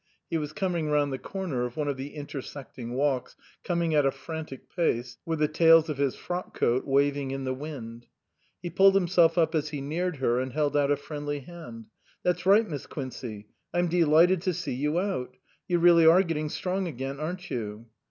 He was coming round the corner of one of the intersect ing walks, coming at a frantic pace, with the tails of his frock coat waving in the wind. He pulled himself up as he neared her and held out a friendly hand. " That's right, Miss Quincey. I'm delighted to see you out. You really are getting strong again, aren't you